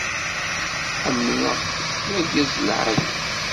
Ḥemmleɣ-t, d argaz lεali.